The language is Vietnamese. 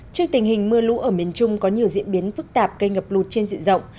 trước tình hình mưa lũ ở miền trung có nhiều diễn biến phức tạp gây ngập lụt trên diện rộng